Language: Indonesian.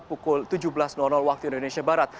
pukul tujuh belas waktu indonesia barat